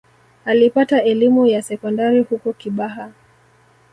Alipata elimu ya sekondari huko Kibaha